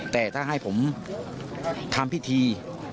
แต่ถ้าให้ผมทำพิธี